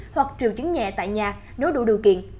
hoặc triệu chứng nhẹ tại nhà nếu đủ điều kiện